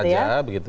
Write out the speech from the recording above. jerman saja begitu